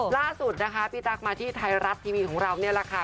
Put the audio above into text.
ล่าสุดนะคะพี่ตั๊กมาที่ไทยรัฐทีวีของเรานี่แหละค่ะ